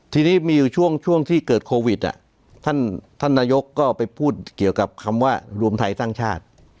ทีนี้มีอยู่ช่วงที่เกิดโควิดท่านนายกก็ไปพูดเกี่ยวกับคำว่ารวมไทยสร้างชาติ